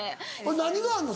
何があんの？